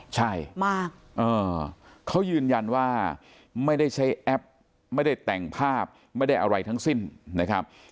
ใช่มากเขายืนยันว่าไม่ได้ใช้แอปไม่ได้แต่งภาพไม่ได้อะไรทั้งสิ้นนะครับ